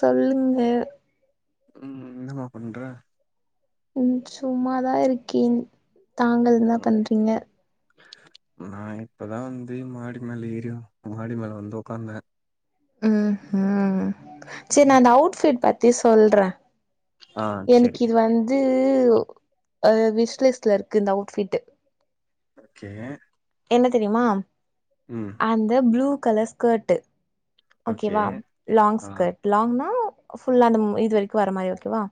சொல்லுங்க ம் என்னமா பண்ற ம் சும்மாதா இருக்கேன் தாங்கள் என்ன பண்றீங்க நா இப்பதா வந்து மாடி மேல ஏரி மாடி மேல வந்து உக்காந்தே ம் ஹ் செரி நா அந்த அவுட் ஃபிட் பத்தி சொல்றே ஆ செரி எனக்கு இது வந்து அது விஷ்லிஸ்ட்ல இருக்கு இந்த அவுட் ஃபிட்டு் ஓகே என்ன தெரியுமா ம் அந்த ப்ளூ கலர் ஸ்கெர்ட்டு ஓகே ஓகேவா லாங் ஆ ஸ்கர்ட் லாங்னா ஃபுல்லா அந்த இது வரைக்கு வரா மாரி ஓகேவா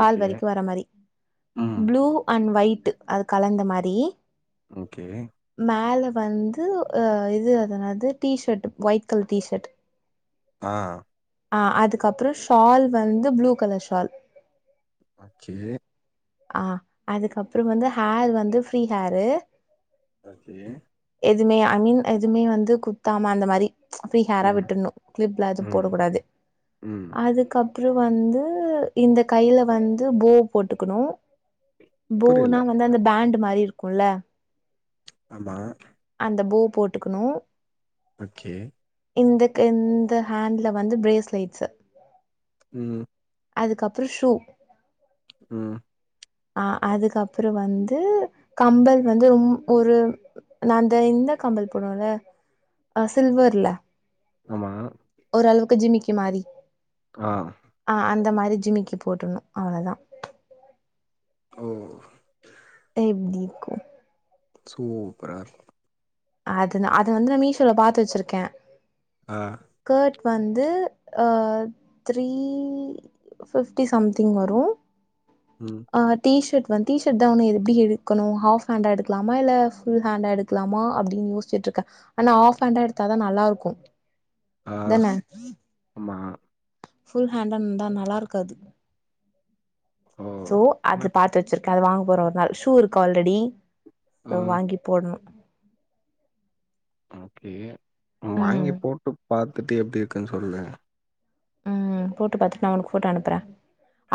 கால் ஓகே வரைக்கு வரா மாரி ம் ப்ளூ அண்ட் ஒயிட் அது கலந்த மாரி ஓகே மேல வந்து ஹ இது அது என்னது T shirt white colour T shirt ஆ அ அதுக்கு அப்றோ ஷால் வந்து ப்ளூ கலர் ஷால் ஓகே அ அதுக்கப்பறோ வந்து ஹேர் வந்து ஃப்ரீ ஹேரு ஓகே எதுவுமே ஐ மீன் எதுவுமே வந்து குத்தாம அந்த மாரி ஃப்ரீ ஹேரா ம் விட்டன்னு கிளிப்ல எதும் ம் போடக்கூடாது ம் அதுக்கப்பற வந்து இந்த கையில வந்து பூ போட்டுக்கணு பூ புரியல னா வந்து அந்த பேண்டு மாரி இருக்குல்ல ஆமா அந்த பூ போட்டுக்கணு ஓகே இந்த க இந்த ஹேண்ட்ல வந்து பிரேஸ் லைட்ஸ்சு ம் அதுக்கப்பற ஷூ ம் அ அதுக்கப்பற வந்து கம்பல் வந்து ரொம்ப ஒரு நா அந்த இந்த கம்பல் போடுவல்ல அ சில்வர்ல ஆமா ஒரு அளவுக்கு ஜிமிக்கி மாரி ஆ ஆ அந்த மாதிரி ஜிமிக்கு போட்டுண்ணு அவ்ளதா ஓ எப்டி இருக்கு சூப்பரா இருக் அது நா அது வந்து மீஷோல பாத்து வச்சிருக்கே ஆ ஸ்கர்ட் வந்து ஆ த்ரீ பிப்டி சம்த் திங் வரும் ம் ஹர்ட் டீஷர்ட் வந்து டீ ஷர்ட் தான் ஒன்னு இருக் எப்டி எடுக்கணும் ஹாஃப் ஹண்ட் எடுக்கலாமா இல்ல ஃபுல் ஹேண்ட் எடுக்கலாமா அப்டின்னு யோசிசுட்டு இருக்கேன் ஆனா ஹாஃப் ஹாண்ட்டா எடுத்தாதா நல்லா இருக்கும் ஆ இதானே ஆமா ஃபுல் ஹாண்டாருந்தா நல்லாருக்காது ஓ சோ அது பாத்துவச்சிருக்கேன் அது வாங்க போறேன் ஒரு நாள் ஷூ இருக்கு ஆல்ரெடி ஆ வாங்கி போடணும் ஓகே வாங்கி ம் போட்டு பாத்துட்டு எப்டி இருக்குன்னு சொல்லுங்க ம் போட்டு பாத்துட்டு நான் உனக்கு போட்டோ அனுப்புறேன்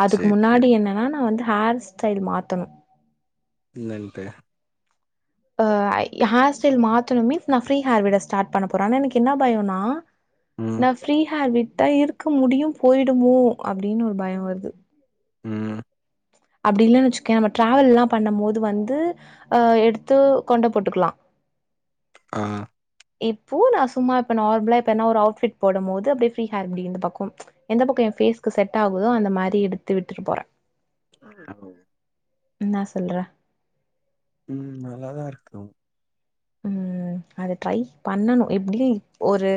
அதுக்கு சரி, சரி. முன்னாடி என்னன்னா நான் வந்து ஹார் ஸ்டைலு மாத்தனும் இன்னும் இல்ல ஆ ஹேர் ஸ்டைல் மாத்தணும் மீன்ஸ் நான் ஃப்ரீ ஹேர் விட ஸ்டார்ட் பண்ண போறன் ஆனா எனக்கு என்ன பயோன்னா ம், நா ஃப்ரீ ஹேர் விட்டா இருக்க முடியும் போயிடுமோ அப்டின்னு ஒரு பயம் வருது ம் அப்டி இல்லன்னு வச்சுக்கே நம்ம டிராவல் எல்லா பண்ணும் போது வந்து அ எடுத்து கொண்ட போட்டுக்கலா ஆ இப்போ நான் சும்மா இப்ப நார்மலா இப்ப என்ன ஒரு அவுட் ஃபிட் போடும் போது அப்டி ஃப்ரீ ஹேர் அடி இந்த பக்கம் எந்த பக்கம் என் பேஸ்கு செட் ஆகுதோ அந்த மாரி எடுத்து விட்டு போறேன் ஆ என்னா சொல்ற ம் நல்லாதான் இருக்கு ம் அது ட்ரை பண்ணணும் எப்டியே ஒரு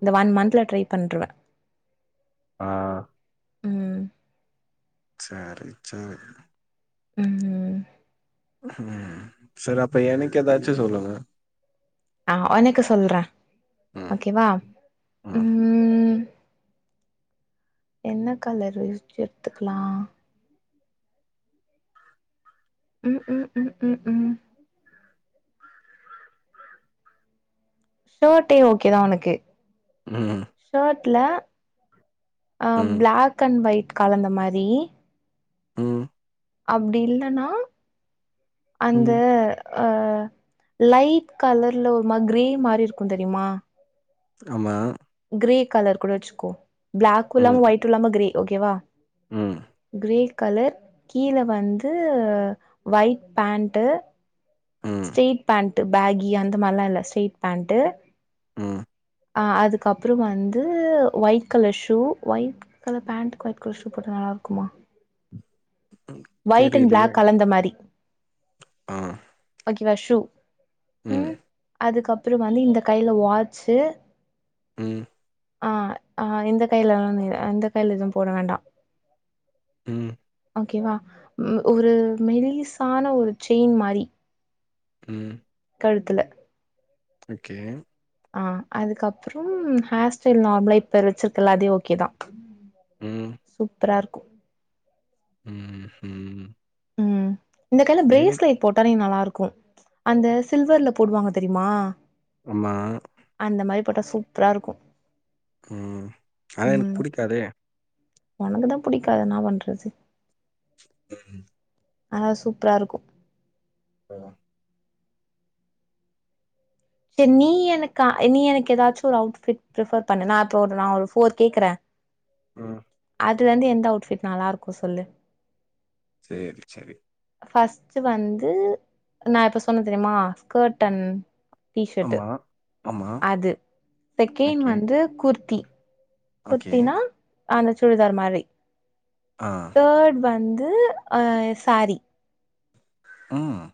இந்த ஒன் மந்த்ல ட்ரை பண்றுவேன் ஆ ம் சேரி சேரி ம் ம் செரி அப்ப எனக்கு எதாச்சு சொல்லுங்க ஆ ஒனக்கு சொல்றே ம். ஓகேவா ம் ம் ம் என்ன கலரு எடுத்துக்கலா [inaudible] ஷேர்ட்டே ஓகேதா ஒனக்கு ம் ஷேர்ட்ல ம். பிளாக் அண் ஒயிட் கலந்த மாரி ம் அப்டி இல்லன்னா அந்த ம். ஆ லைட் கலர்ல ஒரு மாரி க்ரே மாரி இருக்கும் தெரிமா ஆமா க்ரே கலர் கூட வச்சுக்கோ பிளாக் ம். இல்லாம ஒயிட் இல்லாம க்ரே ஓகேவா ம் க்ரே கலர் கீழ வந்து ஒயிட் பேண்ட்டு ம் ஸ்ட்ரெயிட் பேண்ட் பேகி அந்த மாரிலா இல்ல ஸ்ட்ரெயிட் பேண்டு ம் ஆ அதுக்கப்புறம் வந்து ஒயிட் கலர் ஷூ ஒயிட் அத பேண்ட்டுக்கு ஒயிட் கலர் ஷூ போட்ட நல்லா இருக்குமா தெரிலையே அந்த மாரி ஆ ஷூ ம் அதுக்கப்புரோ வந்து இந்த கையில வாட்சு ம் ஆ ஆ இந்த கையில வேணா அ இந்த கையில எதுவு போட வேண்டா ம் ஓகேவா ஒரு மெல்லிஸான ஒரு செயின் மாரி ம் கழுத்துல ஓகே ஆ அதுக்கப்புறம் ஹேர் ஸ்டைல் நார்மலா இப்ப வச்சிருக்குல்லா அதே ஓகேதா ம். சூப்பரா இருக்கு ம் ஹூம் ம் இந்த கையில பிரேஸ்லெட் போட்டாலே நல்லா இருக்கு அந்த சில்வர்ல போடுவாங்க தெரிமா ஆமா அந்த மாரி போட்டா சூப்பரா இருக்கு ம் ஆனா எனக்கு புடிக்காதே ஒனக்குதா புடிக்காது என்ன பண்றது ம் ஆனா சூப்பரா இருக்கு [unintelligible] சரி நீ எனக்கு நீ எனக்கு எதாச்சு ஒரு அவுட்ஃபிட் பிரிப்பர் பண்ணு நா அப்ரோ ஒரு நா ஒரு ஃபோர் கேக்குறே ம் அது வந்து எந்த அவுட்ஃபிட் நல்லா இருக்கு சொல்லு சேரி சேரி ஃபர்ஸ்ட்டு வந்து நா இப்போ சொன்ன தெரியுமா ஸ்கர்ட் அண்ட் டீஷர்ட்டு ஆமா ஆமா அது செகண்ட் ஓகே வந்து குர்த்தி ஓகே குர்த்தினா அந்த சுடிதார் மாரி ஆ தேர்ட் வந்து ஆ ஸேரி ம்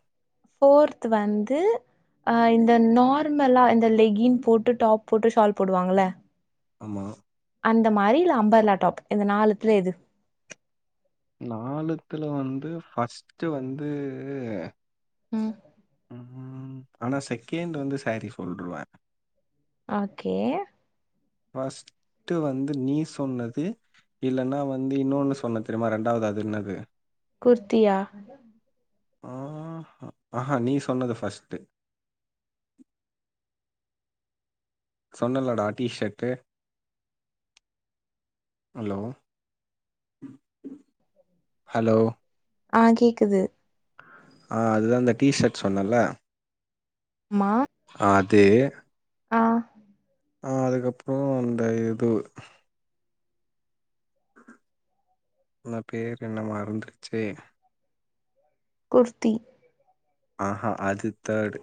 ஃபோர்த்து வந்து அ இந்த நார்மலா இந்த லெகின் போட்டு டாப் போட்டு ஷால் போடுவாங்கள ஆமா அந்த மாரி இல்ல அம்பர்லா டாப் இந்த நாலுத்துல எது நாலுத்துல வந்து ஃபர்ஸ்ட்டு வந்து ம் ம் ஆனா செகேண்ட் வந்து சேரீ சொல்ருவே ஓகே பஸ்ட்டு வந்து நீ சொன்னது இல்லன்னா வந்து இன்னொன்னு சொன்ன தெரியுமா ரெண்டாவது அது என்னது குர்த்தியா ஆ அஹ நீ சொன்னது ஃபர்ஸ்ட்டு சொன்னல்லடா டிஷர்ட்டு ஹலோ ஹலோ ஆ கேக்குது ஆ அதுதான் அந்த டீஷர்ட் சொன்னேல்ல மா அதே ஆ ஆ அதுக்கப்புறோ இந்த இது அ பேர் என்ன மறந்துருச்சே குர்த்தி ஆஹா அது தேர்டு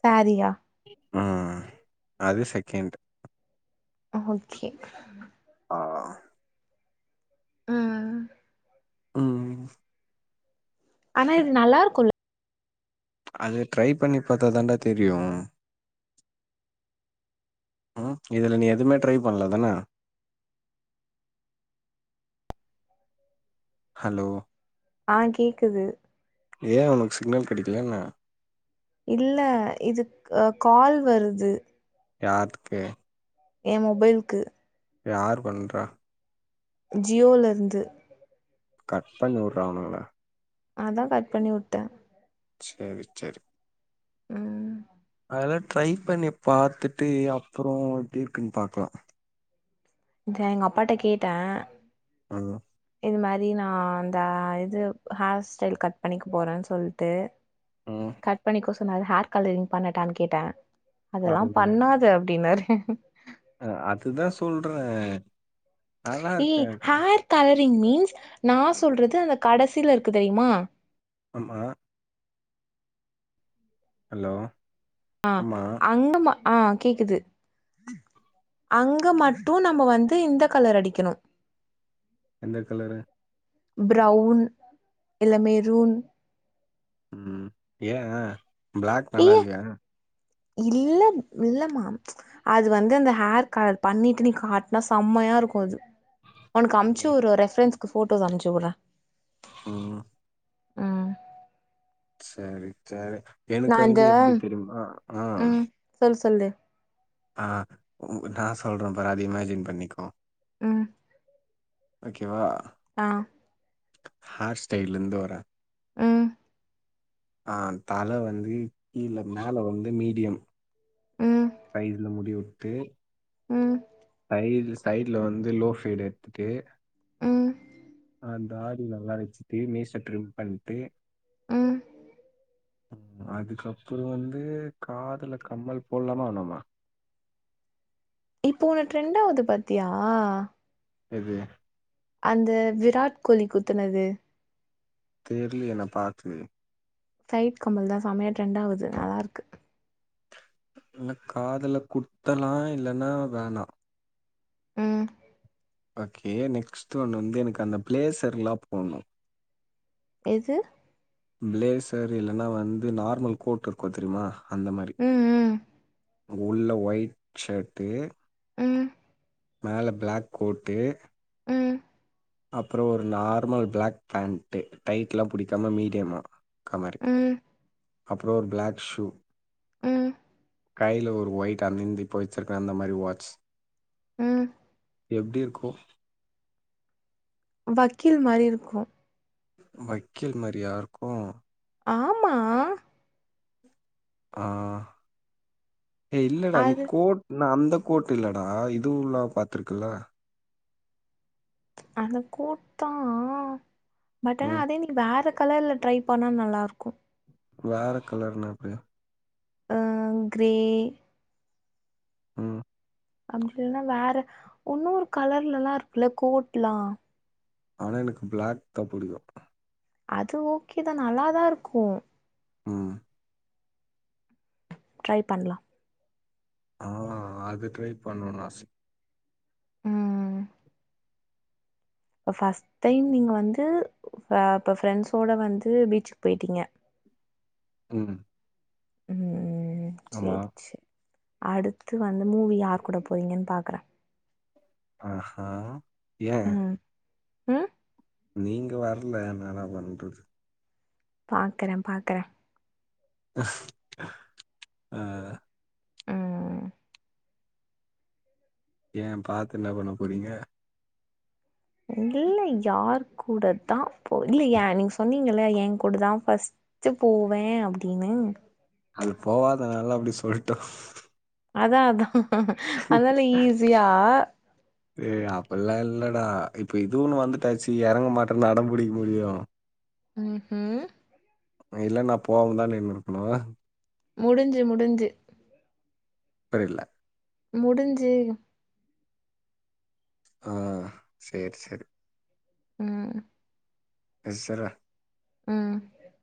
ஸரீயா ஆ ஆ அது செகண்ட் ஓகே ஆ ஆ ம் ம் ம் ம் ஆனா இது நல்லா இருக்குல்ல அது ட்ரை பண்ணி பாத்தா தாண்டா தெரியு ம் இதுல நீ எதுவுமே ட்ரை பண்ணல தானா ஹலோ ஆ கேக்குது ஏன் உனக்கு சிக்னல் கிடைக்கலயா என்ன இல்ல இதுக்கு கால் வருது யாத்கே ஏ மொபைல்கு யார் பண்றா ஜியோல இருந்து கட் பண்ணிவுட்றா ஆவணுங்கள அதா கட் பண்ணி உட்டே சேரி சேரி ஆ அதெல்லா ட்ரை பண்ணி பாத்துட்டு அப்புறோ எப்டி இருக்குன்னு பாக்கலா நா எங்க அப்பாட்ட கேட்டே ம் இந்த மாரி நான் அந்த இது ஹேர் ஸ்டைல் கட் பண்ணிக்க போறேன்னு சொல்ட்டு ம் கட் பண்ணிக்கோ சொன்னாரு ஹேர் கலரிங் பண்ணட்டான்னு கேட்டே அதெல்லா காது வலி பண்ணாத அப்டின்னாரு அ அதுதா சொல்றே நல்லா ஏ இருக்காது ஹேர் கலரிங் மீன்ஸ் நா சொல்றது அந்த கடைசியில இருக்கு தெரியுமா ஆமா ஹலோ அ ஆமா அங்கமா அ கேக்குது அங்க மட்டு நம்ப வந்து இந்த கலர் அடிக்கணு எந்த கலரு பிரவுன் இல்ல மெருன் ம் ஏன் பிளாக் ஏய நல்லாயில்லயா இல்ல இல்ல மா அது வந்து அந்த ஹேர் கலர் பண்ணிட்டு நீ காட்னா செம்மையா இருக்கு அது ஒனக்கு அம்ச்சு ம் உட்ற ரெஃபரன்ஸ்கு போட்டோஸ் அனுப்ச்சு உட்றே ம் ம் ம் செரி சேரி எனக்கு நா வந்து இந்த எப்டி தெரியுமா அ ம் சொல்லு சொல்லு அ உனக்கு நா சொல்ற பாரு அது இமேஜின் பண்ணிக்கோ ம் ஓகேவா அ ஹார்ஸ்டைல இருந்து வரே ம் அ தல வந்து கீழ மேல வந்து மீடியம் ம் சைட்ல முடி உட்டு ம் சைடு சைட்ல வந்து லோ ஃபீடு எத்துட்டு ம் அந்த தாடி நல்லா வெச்சிட்டு மீச ட்றும் பண்ட்டு ம் அதுக்கப்றோ வந்து க் காதுல கம்மல் போட்லாமா வேணாமா இப்போ ஒன்னு ட்ரெண்ட் ஆவுது பாத்தியா எது அந்த விராட் கோலி குத்துனது தெர்லியே நா பாக்லயே சைட் கம்பல் தா செமையா ட்ரெண்ட் ஆவுது நல்லா இருக்கு இன்ன காதுல குத்தலா இல்லன்னா வேணா ம் ஓகே நெக்ஸ்ட் வன் வந்து எனக்கு அந்த ப்ளேஸ்ர்லா போட்ணு எது ப்ளேசர் இல்லன்னா வந்து நார்மல் கோட் இருக்கு தெரிய்மா அந்த மாரி ம் ம் உள்ள வய்ட் ஷேர்ட்டு ம் மேல ப்ளாக் கோட்டு ம் அப்றோ ஒரு நார்மல் ப்ளாக் பேண்ட்டு டைட் லா புடிக்காம மீடியமா அது மாரி ம் அப்பறோ ஒரு ப்ளாக் ஷூ ம் கைல ஒரு வயிட் டர்னிங் தி போட்ஸ் இருக்குற அந்த மாதிரி வாட்ச் ம் எப்டி இருக்கு வக்கீல் மாரி இருக்கு வக்கீல் மாரியா இருக்கு ஆமா ஆ எ இல்லடா நீ அது கோட் இல்ல அந்த கோட் இல்லடா இதுவும்ல்ல பாத்துருக்குல்ல அத கூட்டா பட் ஆனா ம் அதே இன்னெக்கி வேற கலர்ல ட்ரை பண்ணா நல்லாயிருக்கு வேற கலர்ன்னா எது ஆ க்ரே ம் அப்டி இல்லன்னா வேற உன்னோரு கலர்ல எல்லா இருக்குல்ல கோட் எலா ஆனா எனக்கு பிளாக் தா புடிக்கு அது ஓகே தா நல்லா தா இருக்கு ம் ட்ரை பண்ணலா ஆ அது ட்ரை பண்ணணு ஆச ம் ம் இப்ப ஃபர்ஸ்ட் டைம் நீங்க வந்து இப்போ ஃப்ரெண்ட்ஸோட வந்து பீச்சுக்கு போயிட்டீங்க ம் ம் ம் ம் ஆமா சேரி சேரி அடுத்து வந்து நீங்க யார் கூட போவிங்கன்னு பாக்குறே அ ஆ ஏ ஆ நீங்க வரல நா என்ன பண்றது பாக்கறே பாக்கறே ஆ ம் ஏ பாத்து என்ன பண்ண போறீங்க இல்லா யார் கூட தா போ இ இல்ல ஏ நீங்க சொன்னீங்கள எ கூட தா பஸ்ட் டு போவேன்னு அப்டின்னு அது போவாததுனால்ல தா அப்டி சொல்லிட்டோ அதா அதா அதனால ஈஸியா ஏ அப்டில்லா இல்லடா இப்ப இதும் வந்துட்டாச்சு இறங்க மாட்டேன்னு அடம் பிடிக்க முடியு ம் ம் இல்ல நா போவமனுதா நின்னுருக்கனு முடிஞ்சு முடிஞ்சு புரில முடிஞ்சு ஆ சேரி சேரி ம் ஏ சாரா ம்